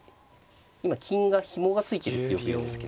今金がひもが付いてるってよく言うんですけど。